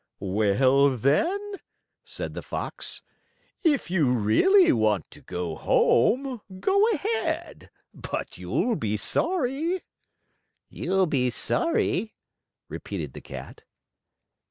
"Well, then," said the Fox, "if you really want to go home, go ahead, but you'll be sorry." "You'll be sorry," repeated the Cat.